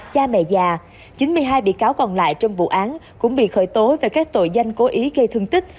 cha mẹ già chín mươi hai bị cáo còn lại trong vụ án cũng bị khởi tố về các tội danh cố ý gây thương tích